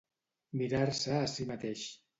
Mirar-se a si mateix.